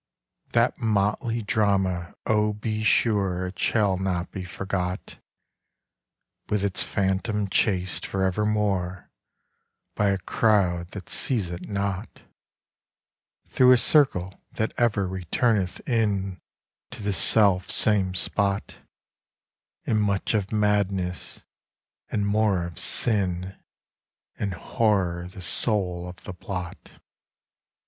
That motley drama—oh, be sureIt shall not be forgot! With its Phantom chased for evermore, By a crowd that seize it not, Through a circle that ever returneth inTo the self same spot, And much of Madness, and more of Sin, And Horror the soul of the plot.